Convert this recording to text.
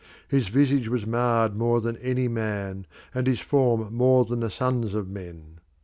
"His visage was marred more than any man, and his form more than the sons of men."